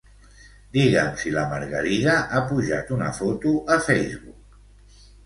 Digue'm si la Margarida ha pujat una foto a Facebook.